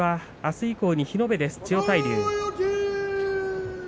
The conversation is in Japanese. あす以降に日延べです、千代大龍。